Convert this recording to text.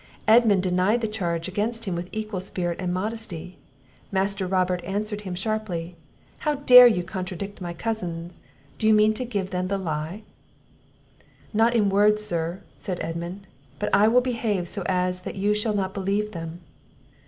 Edmund denied the charge against him with equal spirit and modesty. Master Robert answered him sharply, "How dare you contradict my cousins? do you mean to give them the lie?" "Not in words, Sir," said Edmund; "but I will behave so as that you shall not believe them."